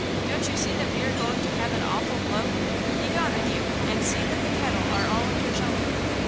Don't you see that we are going to have an awful blow! Begone with you and see that the cattle are all under shelter!